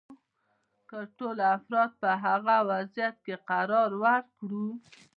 که ټول افراد په هغه وضعیت کې قرار ورکړو.